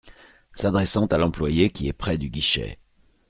S’adressant à l’employé qui est près du guichet.